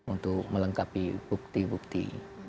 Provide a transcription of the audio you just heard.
untuk melengkapi bukti bukti